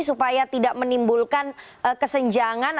supaya tidak menimbulkan kesenjangan